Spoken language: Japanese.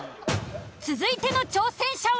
続いての挑戦者は？